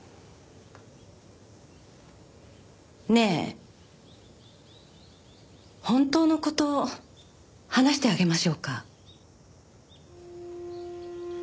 ねえ本当の事話してあげましょうか？